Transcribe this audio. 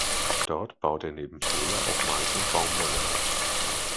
Dort baut er neben Soja auch Mais und Baumwolle an.